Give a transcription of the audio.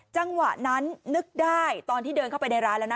จังหวะนั้นนึกได้ตอนที่เดินเข้าไปในร้านแล้วนะ